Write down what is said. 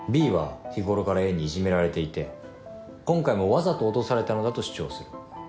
Ｂは日頃からＡにいじめられていて今回もわざと落とされたのだと主張する。